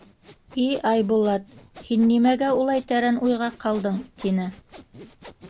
— И Айбулат, һин нимәгә улай тәрән уйға ҡалдың? — тине.